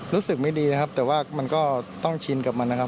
รู้สึกไม่ดีนะครับแต่ว่ามันก็ต้องชินกับมันนะครับ